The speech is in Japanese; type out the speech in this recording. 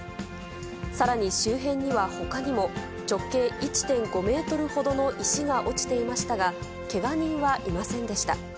さらに周辺にはほかにも、直径１．５メートルほどの石が落ちていましたが、けが人はいませんでした。